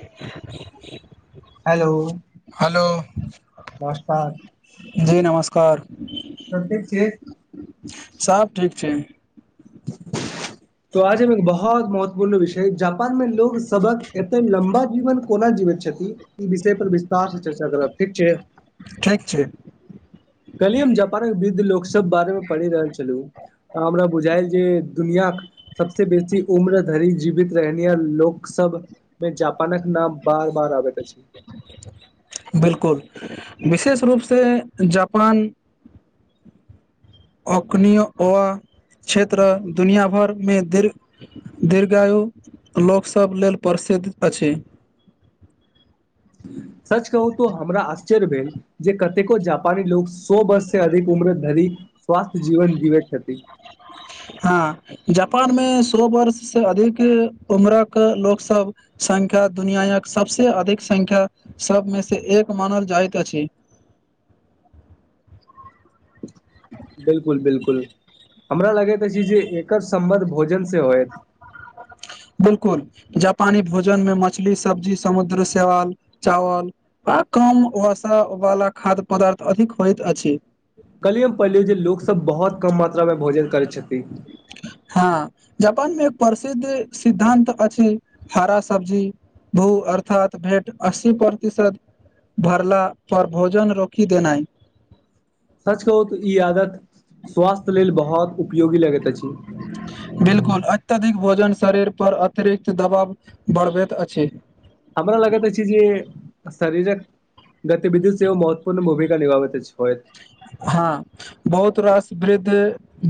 [unintelligible] Hello hello नमस्कार [unintelligible] जी नमस्कार सब ठीक छैय [inaudible] सब ठीक छै [unintelligible] त आज एक बहुत महत्वपूर्ण विषय जापान में लोग सब हक एते लम्बा जीवन कोना जीवैत छथि ई विषय पर विस्तार से चर्चा करब ठीक छै ठीक छैय कल्हि हम जापानक वृद्ध लोक सब बारे में पढ़ि रहल छलुँ हमरा बुझैल जे दुनिया कऽ सबस बेसी उम्र धरि जीवित रहनिया लोक सब पे जापान कऽ नाम बार बार आबैत अछी [unintelligible] बिल्कुल विशेष रूप से जापान औकनियो ओ आ क्षेत्र दुनिया भरि में दीर्घ दीर्घा आयु लोक सभ लेल प्रसिद्ध अछि। सच कहु तऽ हमरा अस चर भेल जे कतेको जापानी लोग सौ वर्ष से अधिक उम्र धरि स्वस्थ्य जीवन जीवैत छथी हँ जापान में सौ वर्ष से अधिक उम्र कऽ लोक सब संख्या दुनियाक सब से अधिक संख्या सब में से एक मानल जाइत अछि बिल्कुल बिल्कुल हमरा लगैत अछि जे एकर सम्बंध भोजन से होयत [inaudible] बिल्कुल जापानी भोजन में मछली सब्जी समुद्र सेवाल चावल आ कम वसा वाला खाद्य पदार्थ अधिक होइत अछि कल्हि हम पड़लीयो जे लोको सब बहुत कम मात्रा मे भोजन करै छथि हँ जापान मे एक प्रसिद्ध सिद्धान्त अछि हरा सब्जी भू अर्थात भेट अस्सी प्रतिशत भरला पर भोजन रोकि देनै सच कहू तऽ ई आदत स्वास्थ्य लेल बहुत उपयोगी लगैत अछि बिल्कुल अत्यधिक भोजन शरीर पर अतिरिक्त दबाव बढ़बैत अछि हमरा लगैत अछि छै जे [inaudible] शरीरक गतिबिधि सेहो महत्वपूर्ण भूमिका निभाबैत छ होयत हँ बहुत रास वृद्ध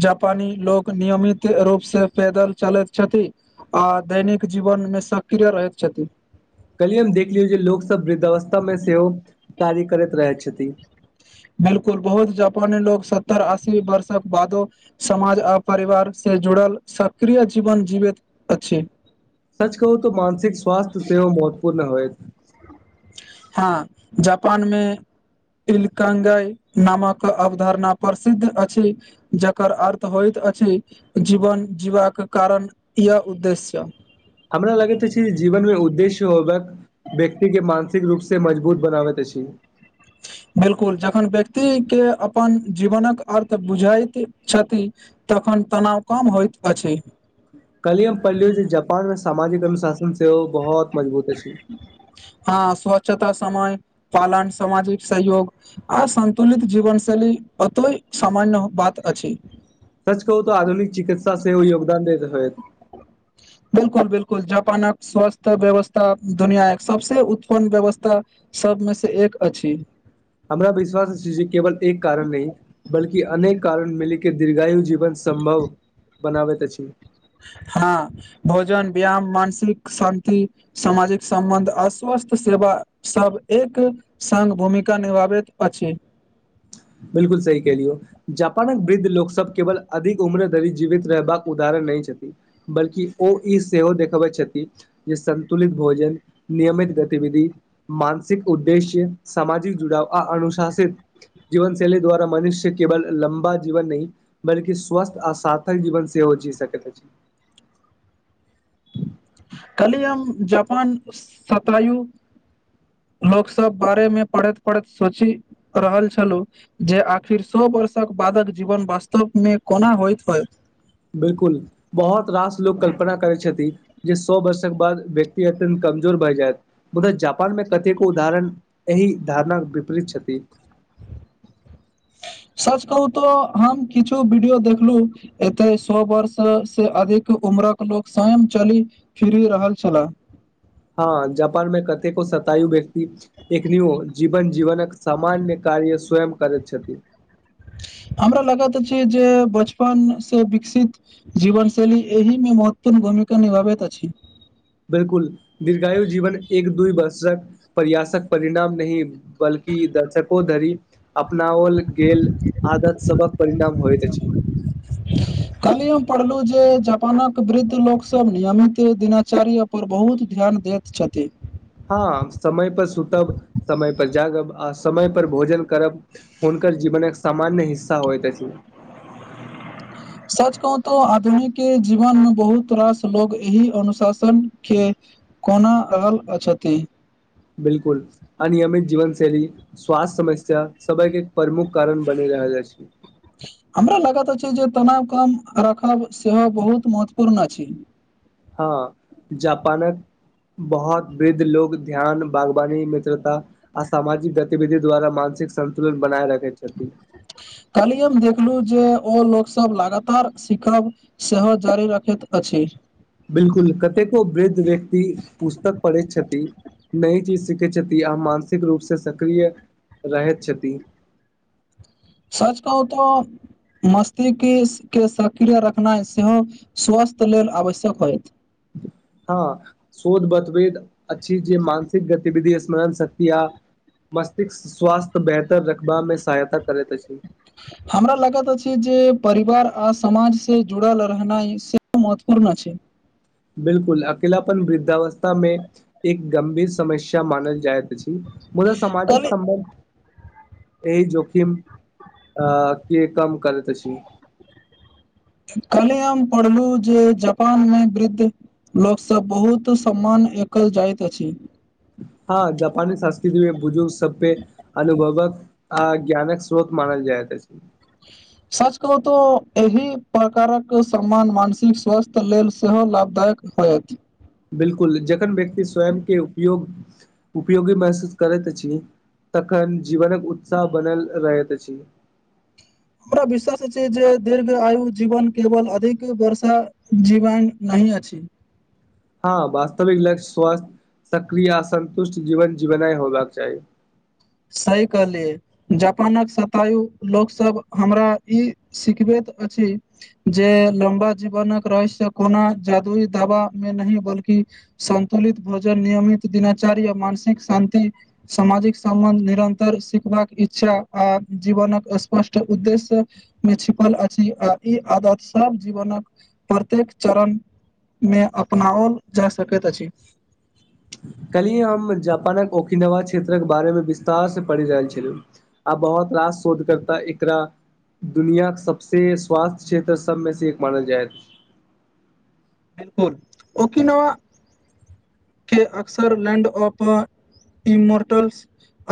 जापानी लोक नियमित रूप स पैदल चलैत छथि आ दैनिक जीवन में सक्रिय रहैत छथि कैलिये हम देख लियौ जे लोकसभ वृद्धावस्था में सेहो कार्य करैत रहेत छथि बिल्कुल बहुत जापानी लोग सत्तर अस्सी वर्षक बादो समाज आ परिवार से जुड़ल सक्रिय जीवन जीवैत अछि सच कहू तऽ मानसिक स्वास्थ्य सेहो महत्वपूर्ण होयत हँ जापान में इलकंगय नामक अवधारणा प्रसिद्ध अछि जकर अर्थ होइत अछि जीवन जीबाक कारण या उद्देश्य हमरा लगैत अछि जे जीवन मे उद्देश्य होबक व्यक्ति के मानसिक रूप से मजबूत बनाबैत अछि [inaudible] बिल्कुल जखन व्यक्ति के अपन जीवनक अर्थ बुझाइत छथि तखन तनाव कम होइत अछि कल्हि हम पढलियो जे जापान मे सामाजिक अनुशासन सेहो बहुत मजबूत अछि हँ स्वच्छता समय पालन सामाजिक सहयोग अ सन्तुलित जीवन शैली पतोय सामान्य बात अछि सच कहू तोऽ आधुनिक चिकित्सा सेहो योगदान देैत होय बिल्कुल बिल्कुल जापानक स्वास्थ्य व्यवस्था दुनिया एक सबसे उत्तम व्यवस्था सबमे से एक अछि हमरा विश्वास अछी जे केवल एक कारण अई बलकि अनेक कारण मिलि के दीर्घायु जीवन संभव बनाबैत अछि हँ भोजन वियाम मानसिक शान्ति सामाजिक सम्बन्ध अस्वस्थ सेवा सब एक संग भूमिका निभाबैत अछि बिल्कुल सही कहलियो जापानक वृद्ध लोक सब केवल अधिक उम्र धरी जीवित रहबाक उदाहरण नहि छथि बल्कि ओ ई सेहो देखबै छथि जे संन्तुलित भोजन नियमित गतिविधि मानसिक उद्देश्य सामाजिक जुड़ाव आ अनुशासित जीवन शैली द्वारा मनुष्य केवल लम्बा जीवन नही बल्कि स्वस्थ्य आ सार्थक जीवन सेहो जी सकैत अछि काल्हि हम जापान सतायु लोक सब बारेमे पढ़ैत पढ़ैत सोचि रहल छलु जे आखिर सो वर्षक बादक जीवन वास्तव मे कोना होयइत होइ बिल्कुल बहुत रास लोक कल्पना करै छथि जे सौ वर्षक बाद व्यक्ति अत्यन्त कमजोर भए जायत मुदा जापान मे कतेको उदाहरण एहि धारणाक विपरीत छथि सच कहू तोऽ हम किछु वीडियो देखलू एते सो वर्ष से अधिक उम्रक लोकोग स्वयं चलि फिरि रहल छला हँ जापान मे कतेको सतायु व्यक्ति एखनेओ जीवन जीवन सामान्य कार्य स्वयं करैत छथि हमरा लागैत छै जे बचपन से विकसित जीवनशैली एहि मे महत्वपूर्ण भूमिका निभावैत अछि बिल्कुल दीर्घायु जीवन एक दूइ वर्षक प्रयासक परिणाम नहि बल्कि दर्शको धरि अपनाव गेल आदत सभक परिणाम होइत अछि कल्हि हम पढ़लौ जे जापानक वृद्ध लोक सब नियमित दिनाचार्य पर बहुत ध्यान देत छथि हँ समय पर सुतब समय पर जागब आ समय पर भोजन करब हुनकर जीवनक एक सामान्य हिस्सा होईत अछी सच कहू तो आधुनिक जीवन मे बहुत रास लोग एहि अनुशासन के कोना अरल अछथि बिलकुल अनियमित जीवन शैली स्वाथ्य समस्या सबयके प्रमुख कारण बनी रहल अछि हमरा लागत अछि जे तनाव काम रखाव सेहो बहुत महत्वपूर्ण अछि हँ जापानक बहुत वृद्ध लोग ध्यान बागवानी मित्रता आ सामाजिक गतिविधि द्वारा मानसिक सन्तुलन बनाय रखे छथि काल्हि हम देखलहु जे ओ लोकसभ लगातार सिखब सेहो जारी रखैत अछि बिलकुल कतेको वृद्ध व्यक्ति पुस्तक पढ़ैत छथि नइ चीज सिखे छथि आ मानसिक रूप से सक्रिय रहैत छथि सच कहू तऽ मस्तिष्क के सक्रिय रखनाइ सेहो स्वास्थ्य लेल आवश्यक होयत हँ शोध बतभेद अच्छी जे मानसिक गतिविधि स्मरण शक्ति आ मष्तिष्क स्वास्थ्य बेहतर रखबामे सहायता करैत अछि हमरा लागत अछि जे परिवार आ समाज से जुड़ल रहनाइ सेहो महत्वपूर्ण अछि बिलकुल अकेलपन वृद्धावस्था में एक गंभीर समस्या मानल जाइत अछि मुद्दा सामाजिक काल्हि संबन्ध एहि जोखीम केँ कम करैत अछि कल्हे हम पढ़लहु जे जापानमे वृद्ध लोक सब बहुत सम्मान एकल जाइत अछि हँ जापानी संस्कृति मे बुजुर्ग सबपे अनुभवक आ ज्ञानक स्रोत मानल जायत अछि सच कहु तऽ एहि प्रकारक सम्मान मानसिक स्वास्थ्य लेल सेहो लाभदायक होयत बिलकुल जखन व्यक्ति स्वयं के उपयोग उपयोगी महसूस करैत अछि तखन जीवनक उत्साह बनल रहैत अछि हमरा विश्वास अछि जे दीर्घ आयु जीवन केवल अधिक वर्षा जीवन नहि अछि हँ वास्तविक लक्ष्य स्वस्थ सक्रिय संन्तुष्ट जीवन जीवनाय होबाक चाही सही कहलियै जापानक सतायु लोकसभ हमरा ई सिखबैत अछि जे लम्बा जीवनक रहस्य कोना जादुई दावा मे नहि बल्कि सन्तुलित भोजन नियमित दिनाचार्य मानसिक शान्ति सामाजिक सम्बन्ध निरन्तर सिखबाक इच्छा आ जीवनक स्पष्ट उद्देश्य में छिपल अछि आ ई आदत सब जीवनक प्रत्येक चरण मे अपनाओल जा सकैत अछि कल्हि हम जापानक ओखिनवा क्षेत्रक बारेमे विस्तारस पढ़ि रहल छलहु आ बहुत रास शोध करता एकरा दुनआके सबसे स्वास्थ्य क्षेत्र सबमे से एक मानल जायत अछि बिल्कुल ओकिनो के अक्सर लैंड ऑपर इ मर्टलस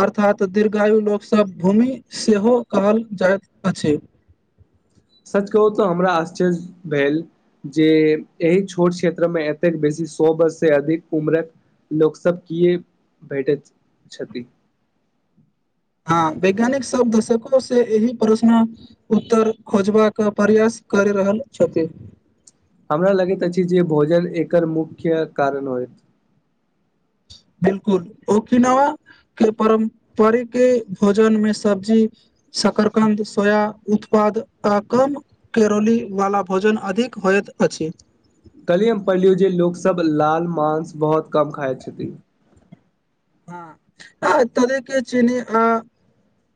अर्थात दीर्घायु लोकसभ भूमि सेहो कहल जाइत अछि सच कहू तऽ हमरा आश्चर्य भेल जे एहि छोट क्षेत्र में एतेक बेसी सौ वर्ष से अधिक उम्रक। लोक सब किए भेठैत छथि हँ वैज्ञानिक सब दसको से यही परोसना। उत्तर खोजबाक प्रयास करे रहल छथि हमरा लगैत अछि जे भोजन एकर मुख्य कारण होयत। बिल्कुल ओ किनावा केँ परम्परिकि भोजन में सब्जी। शकरकंद सोया उत्पाद ता कम केरोली वाला भोजन अधिक होयत अछि। कहलियै हम पड़िलियौ जे लोकसभ लाल मांस बहुत कम खाइ छथि हॅ [unintelligible] आ तद के चनी अ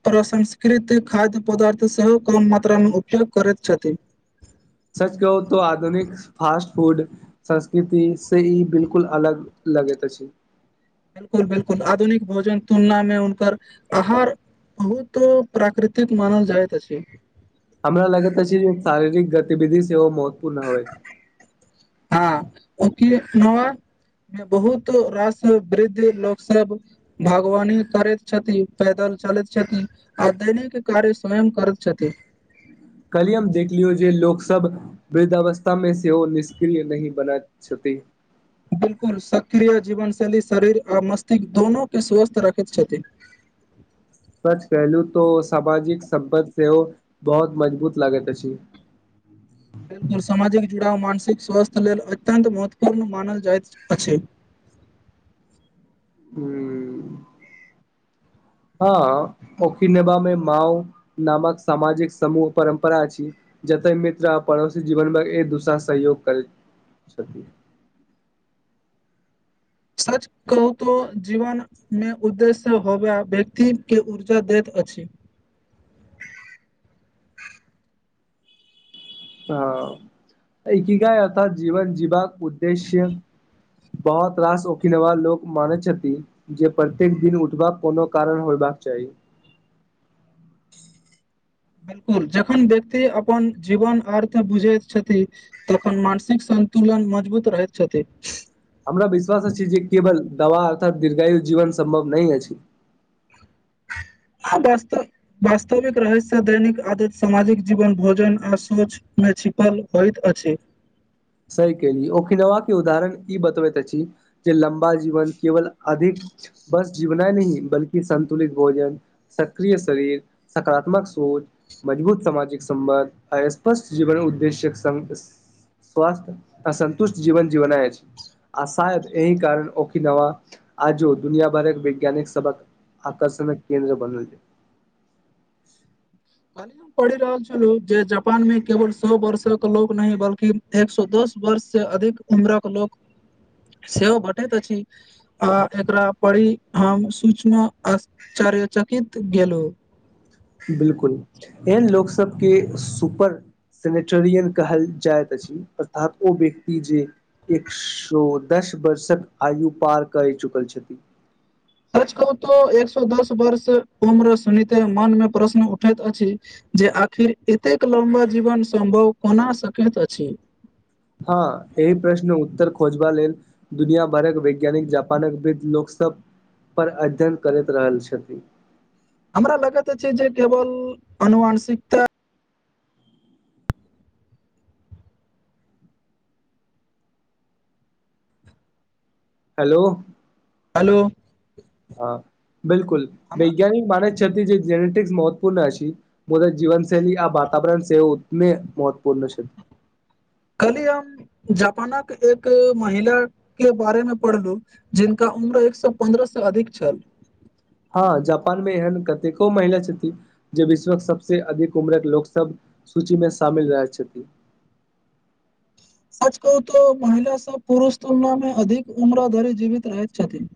प्रसंस्कृत खाद्य पदार्थ सेहो कम मात्रा में करैत छथि सच कहू तऽ आधुनिक फास्ट फूड संस्कृति से ई बिल्कुल अलग लगैत अछि। बिल्कुल बिल्कुल आधुनिक भोजन तुलना में हुनकर आहार बहुतो प्राकृतिक मानल जाइत अछी हमरा लगैत अछी जे शारीरिक गतिविधि सेहो महत्वपूर्ण हौत ह [unintelligible] ओखिनवा बहुतो रास वृद्ध लोक सब भगवानी करैत छथि पैदल चलैत छथि आ दैनिक कार्य स्वयं करैत छथि। काल्हिए हम देखलियौ जे लोक सब। वृद्धवस्था में सेहो निष्क्रिय नही बनायत छथि बिल्कुल सक्रिय जीवन शैली शरीर आ मस्तिष्क दोनो केँ स्वस्थ रखैत छथि। सच कहलू तऽ सामाजिक संबंध सेहो बहुत मजबूत लागैत अछी बिल्कुल सामाजिक जुड़ाव मानसिक स्वस्थ्य लेल अत्यंत महत्वपूर्ण मानल जाइत अछी [unintelligible] हँ ओकी नैबामे माओ नामक सामाजिक समूह परम्परा अछि जते मित्र आ पड़ोसी जीवनमे एक दोसरा सहयोग करैत छथि सच कहू तऽ जीवन मे उद्देश्य होबै व्यक्ति केँ ऊर्जा दैत अछि। हऽ [inaudible] की गय ओत जीवन जीवबाक उद्देश्य बहुत रास ओकीलवा लोक मानै छथि जे प्रत्येक दिन उठबाक कोनो कारण होयबाक चाही बिल्कुल जखन व्यक्ति अपन जीवन अर्थ बुझैत छथि तखन मानसिक सन्तुलन मजबूत रहैत छथि हमरा विश्वास अछि छी जे केवल दवा अर्थात दीर्घायु जीवन सम्भव नहीं अछि। [inaudible] आगस्तो बास्तविक रहस्य दैनिक आदत सामाजिक जीवन भोजन आ सोच में छीपल होइत अछि सही केहलिए ओखिरवा केँ उदाहरण ई बतबैत अछि जे लम्बा जीवन केवल। अधिक बस जीवना नहीं बल्कि सन्तुलित भोजन सक्रिय शरीर सकारात्मक सोच मजबूत सामाजिक संबंध आ स्पष्ट जीवनक उद्देश्य कऽ संग। स्वस्थ्य असन्तुष्ट जीवन जीवनय अछी आ शायद अही कारण ओकीलवा आजू दुनिया भरक वैज्ञानिक सबक आकर्षणक केन्द्र बनल य [unintelligible] पढ़ि रहल छलु, जे जापान में केवल सौ वर्षक लोग नय, बल्कि एक सौ दस वर्ष से अधिक उम्र क लोक [inaudible] सेहो बटैत अछि आ एकरा पढ़ी हम सूक्ष्म आश्चर्यचकित गेलो बिल्कुल, एल लोक सब के सुपर सेनेटेरियल कहल जाइत अछि अर्थात ओ व्यक्ति जे एक सौ दस वर्षक आयु पार कय चुकल छई सच कहू तो एक सौ दस वर्ष उम्र सुनीते मन मे प्रश्न उठैत अछि। जे आखिर एतेक लम्बा जीवन सम्भव कोना सकैत अछि हँ, एहि प्रश्न उत्तर खोजबा लेल। दुनिया भरक वैज्ञानिक जापानक वृद्ध लोक सब। पर अध्ययन करैत रहल छथिन हमरा लागैत अछि जे केवल अनुवांशिकता हेलो हलो हँ बिल्कुल हमरा वैज्ञानिक मानय छथि जे जेनेटिक महत्वपूर्ण आछि मुदा जीवन शैली आ वातावरण सेहो उतने महत्वपूर्ण छैय। कल्हि हम जापानक एक महिला के बारे मे पढ़ल जिनका उम्र एक स पन्द्रह स अधिक छल हँ जापान मे एहन कतेको महिला छथिन जे विश्वक सबसॅं अधिक उम्रक लोक सब सूची मे शामिल रहैत छथिन सच कहू तऽ महिला सब पुरुष तुलना मे अधिक उम्रा धरि जीवित रहैत छथिन